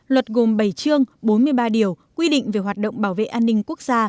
luật gồm bảy chương bốn mươi ba điều quy định về hoạt động bảo vệ an ninh quốc gia